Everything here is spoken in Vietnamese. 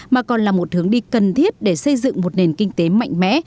mà còn là một hướng đi cần thiết để xây dựng một nền kinh tế mạnh mẽ